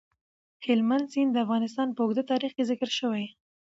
هلمند سیند د افغانستان په اوږده تاریخ کې ذکر شوی.